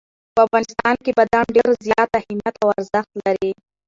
په افغانستان کې بادام ډېر زیات اهمیت او ارزښت لري.